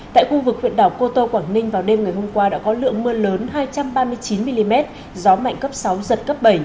tại khu vực huyện đảo cô tô quảng ninh vào đêm ngày hôm qua đã có lượng mưa lớn hai trăm ba mươi chín mm gió mạnh cấp sáu giật cấp bảy